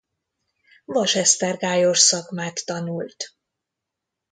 Vasesztergályos szakmát tanult.